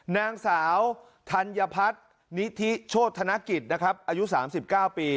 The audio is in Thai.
นางสาวธัญพัฒนิธิโชธนกิจนะครับอายุ๓๙ปี